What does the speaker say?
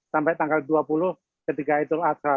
sampai tanggal dua puluh ketika itu asal